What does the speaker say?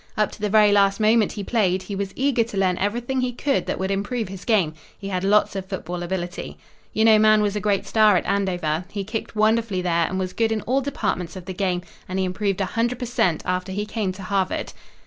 Up to the very last moment he played, he was eager to learn everything he could that would improve his game. He had lots of football ability. "You know Mahan was a great star at Andover. He kicked wonderfully there and was good in all departments of the game, and he improved a hundred per cent. after he came to Harvard."